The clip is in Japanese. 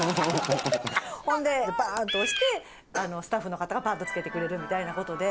ほんでバンと押してスタッフの方がパッとつけてくれるみたいなことで。